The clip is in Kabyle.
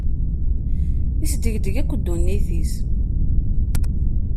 Isdegdeg akk ddunit-is.